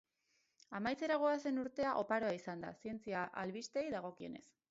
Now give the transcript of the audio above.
Amaitzera goazen urtea oparoa izan da zientzia albisteei dagokienez.